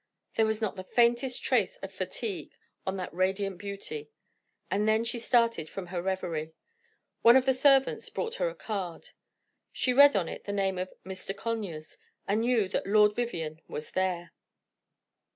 There was not the faintest trace of fatigue on that radiant beauty, and then she started from her reverie. One of the servants brought her a card, she read on it the name of "Mr. Conyers," and she knew that Lord Vivianne was there.